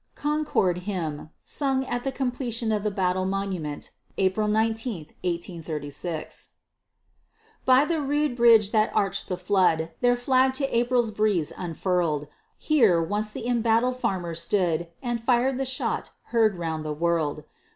CONCORD HYMN SUNG AT THE COMPLETION OF THE BATTLE MONUMENT, APRIL 19, 1836 By the rude bridge that arched the flood, Their flag to April's breeze unfurled, Here once the embattled farmers stood, And fired the shot heard round the world.